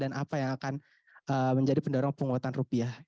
dan apa yang akan menjadi pendarung penguatan rupiah